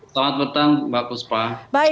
selamat petang mbak kuspa